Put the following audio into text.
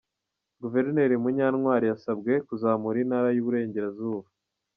Guverineri Munyantwari yasabwe kuzamura Intara y’Iburengerazuba.